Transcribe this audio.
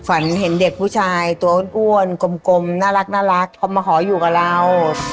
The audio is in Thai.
ฝันเห็นเด็กผู้ชายตัวอ้วนกลมน่ารักเขามาขออยู่กับเรา